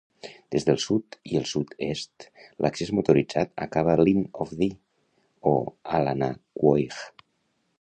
Des del sud i el sud-est, l'accés motoritzat acaba a "Linn of Dee", o Allanaquoich.